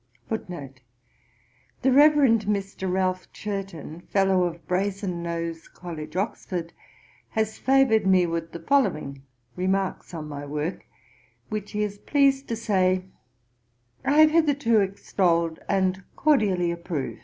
The Reverend Mr. Ralph Churton, Fellow of Brazen Nose College, Oxford, has favoured me with the following remarks on my Work, which he is pleased to say, 'I have hitherto extolled, and cordially approve.'